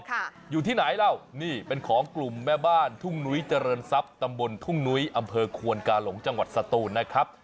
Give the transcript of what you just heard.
อยู่ที่ไหนเล่านี่เป็นของกลุ่มแม่บ้านทุ่งนุ้ยเจริญทรัพย์ตำบลทุ่งนุ้ยอำเภอควนกาหลงจังหวัดสตูนนะครับ